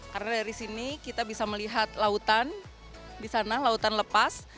karena dari sini kita bisa melihat lautan di sana lautan lepas